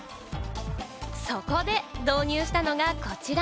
そこで、導入したのがこちら。